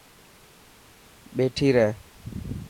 ٻيٺي رهه.